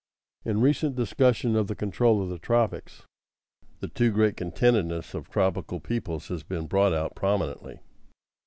In recent discussion of the control of the tropics, the too great contentedness of tropical peoples has been brought out prominently.